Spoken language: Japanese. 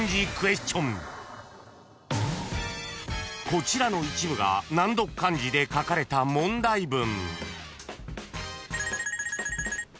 ［こちらの一部が難読漢字で書かれた問題文］